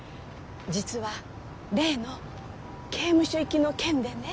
実は例の刑務所行きの件でね。